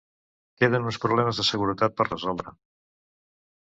Queden uns problemes de seguretat per resoldre.